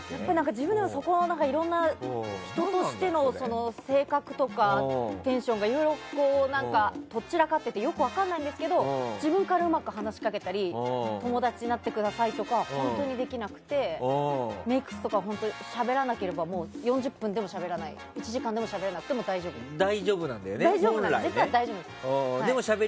自分でも、そこはいろいろ人としての性格とかテンションがいろいろとっ散らかっていてよく分からないんですけど自分からうまく話しかけたり友達になってくださいとかは本当にできなくてメイク室とかはしゃべらなければ、４０分でも１時間でもしゃべらなくても実は大丈夫です。